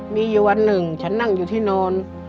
มีอยู่วันหนึ่งฉันนั่งอยู่ที่นอน